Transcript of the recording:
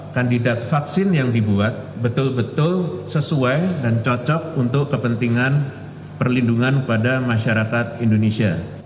kandidat vaksin yang dibuat betul betul sesuai dan cocok untuk kepentingan perlindungan pada masyarakat indonesia